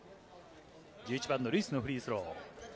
１１番のルイスのフリースロー。